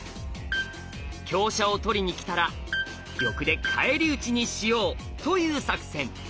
香車を取りにきたら玉で返り討ちにしよう！という作戦。